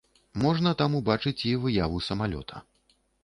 Можна там убачыць і выяву самалёта.